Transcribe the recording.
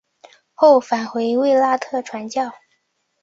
后返回卫拉特传教。